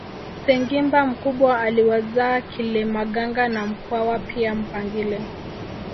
Sengimba mkubwa aliwazaa Kilemaganga na Mkwawa pia Mpangile